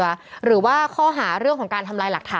หรือว่าข้อหาเรื่องของการทำลายหลักฐาน